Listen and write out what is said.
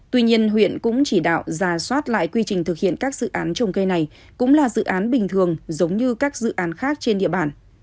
tuy nhiên huyện cũng chỉ đạo giả soát lại quy trình thực hiện các dự án trồng cây này cũng là dự án bình thường giống như các dự án khác trên địa bàn